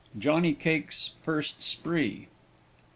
JOHNNY CAKE'S FIRST SPREE.